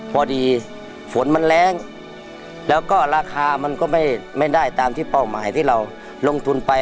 พอดีฝนมันแรงแล้วก็ราคามันก็ไม่ได้ตามที่เป้าหมายที่เราลงทุนไป